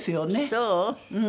そう？